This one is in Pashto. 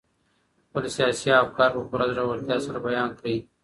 خپل سياسي افکار په پوره زړورتيا سره بيان کړئ.